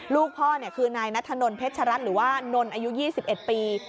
ลูกพ่อเนี่ยคือนายนทะนนท์เพชรัตหรือว่านนท์อายุยี่สิบเอ็ดปี